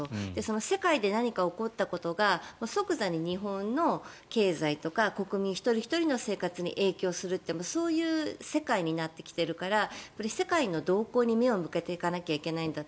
世界で何か起こったことが即座に日本の経済とか国民一人ひとりの生活に影響するってそういう世界になってきているから世界の動向に目を向けていかなきゃいけないんだと。